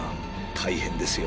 大変ですよ。